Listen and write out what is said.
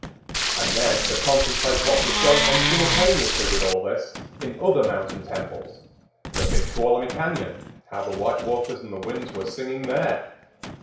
And then to contemplate what was going on simultaneously with all this in other mountain temples; the Big Tuolumne Cañon—how the white waters and the winds were singing there!